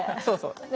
そうそう。